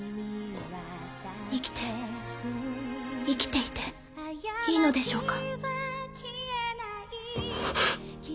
生きて生きていていいのでしょうか？